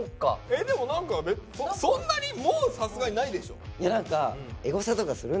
でも何かそんなにもうさすがにないでしょ。